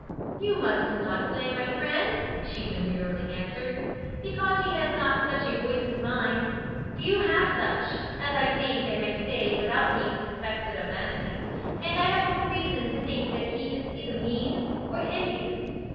"You must not blame my friend," she demurely answered, "because he has not such a voice as mine. Few have such, as I think I may say without being suspected of vanity, and I have no reason to think that he is either mean or envious.